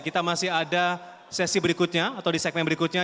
kita masih ada sesi berikutnya atau di segmen berikutnya